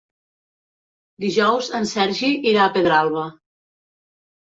Dijous en Sergi irà a Pedralba.